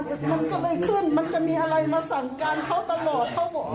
แต่มันก็เลยขึ้นมันจะมีอะไรมาสั่งการเขาตลอดเขาบอก